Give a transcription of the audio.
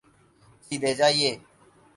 سیدھے جائیے